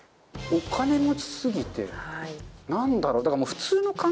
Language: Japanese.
お金持ち過ぎて何だろう？